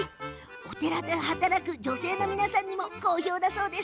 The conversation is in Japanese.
お寺で働く女性の皆さんにも好評だそうです。